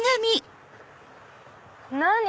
何？